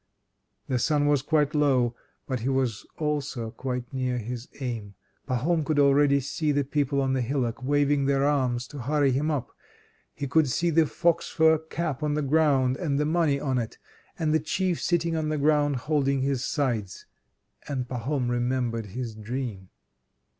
The sun was quite low, but he was also quite near his aim. Pahom could already see the people on the hillock waving their arms to hurry him up. He could see the fox fur cap on the ground, and the money on it, and the Chief sitting on the ground holding his sides. And Pahom remembered his dream.